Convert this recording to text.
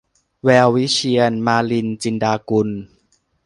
แวววิเชียร - มาลิน จินดากุล